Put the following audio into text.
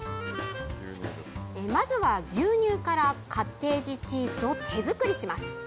まずは牛乳からカッテージチーズを手作りします。